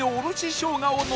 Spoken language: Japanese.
しょうがなの？